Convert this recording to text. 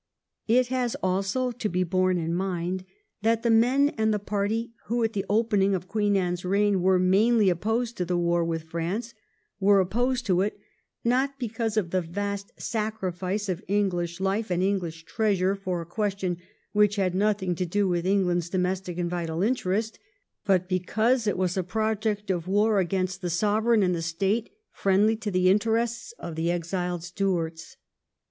It has also to be borne in mind that the men and the party who at the opening of Queen Anne's reign were mainly opposed to the war with France, were opposed to it, not because of the vast sacrifice of English life and English treasure for a question which had nothing to do with England's domestic and vital interest, but because it was a project of war against the Sovereign and the State friendly to the interests of the exiled Stuarts.